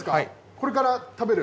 これから食べる？